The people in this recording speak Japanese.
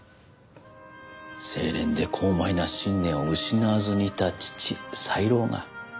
清廉で高邁な信念を失わずにいた義父犀朗が。